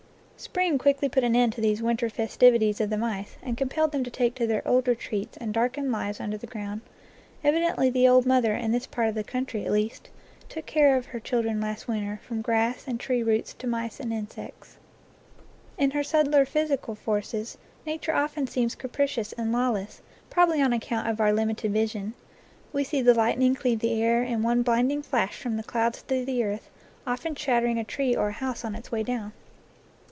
Spring quickly put an end to these winter festivities of the mice and compelled them to take to their old retreats and darkened lives under the ground. Evidently the old mother, in this part of the country at least, took good care of her children last winter, from grass and tree roots to mice and insects. 15 NATURE LORE In her subtler physical forces, Nature often seems capricious and lawless, probably on account of our limited vision. We see the lightning cleave the air in one blinding flash from the clouds to the earth, often shattering a tree or a house on its way down.